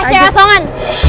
eh cera songan